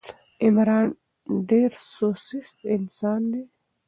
عمران ډېر سوست انسان ده.